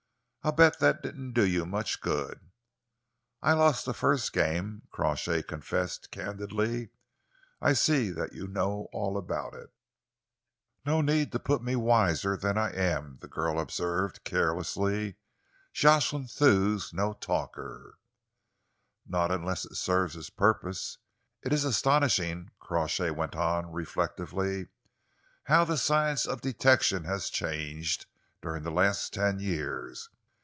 "I bet that didn't do you much good!" "I lost the first game," Crawshay confessed candidly. "I see that you know all about it." "No need to put me wiser than I am," the girl observed carelessly. "Jocelyn Thew's no talker." "Not unless it serves his purpose. It is astonishing," Crawshay went on reflectively, "how the science of detection has changed during the last ten years.